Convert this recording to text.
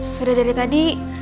sudah dari tadi